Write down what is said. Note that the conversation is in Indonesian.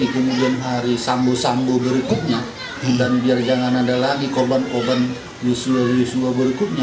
kemudian hari sambo sambo berikutnya dan biar jangan ada lagi korban korban yusuf yosua berikutnya